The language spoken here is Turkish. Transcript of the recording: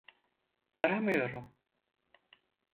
Aramıyorum.